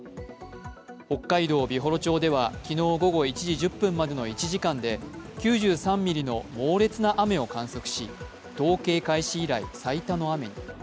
北海道美幌町では昨日午後１時１０分までの１時間で９３ミリの猛烈な雨を観測し、統計開始以来最多の雨に。